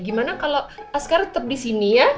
gimana kalau askar tetap di sini ya